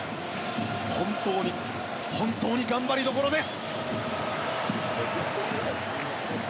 本当に本当に頑張りどころです！